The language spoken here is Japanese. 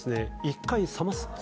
一回冷ます